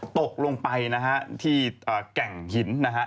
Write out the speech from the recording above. ตกลงไปนะฮะที่แก่งหินนะฮะ